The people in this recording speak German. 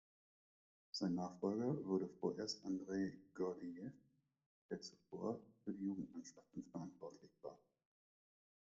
Sein Nachfolger wurde vorerst Andrei Gordejew, der zuvor für die Jugendmannschaften verantwortlich war.